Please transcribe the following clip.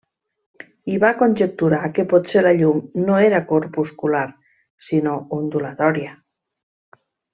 I va conjecturar que potser la llum no era corpuscular, sinó ondulatòria.